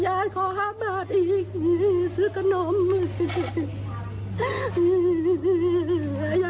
ยายก็นั่งร้องไห้ลูบคลำลงศพตลอดเวลา